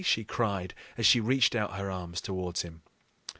she cried as she reached out her arms towards him.